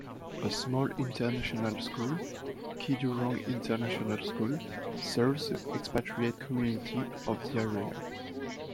A small international school, Kidurong International School, serves the expatriate community of the area.